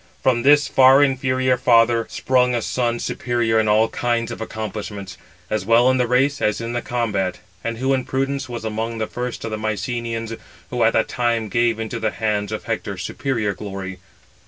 From this far inferior father sprung a son superior in all kinds of accomplishments, as well in the race as in the combat, and who in prudence was among the first of the Mycenæans, who at that time gave into the hands of Hector superior glory.